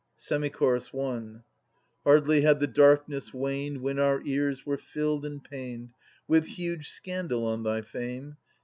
Semi Chorus I. Hardly had the darkness waned, When our ears were filled and pained With huge scandal on thy fame.